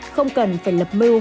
không cần phải lập mưu